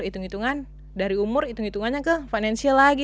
hitung hitungan dari umur hitung hitungannya ke financial lagi